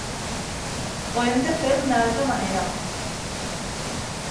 Ho hem de fer d'una altra manera